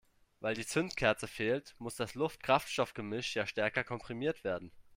Weil die Zündkerze fehlt, muss das Luft-Kraftstoff-Gemisch ja stärker komprimiert werden.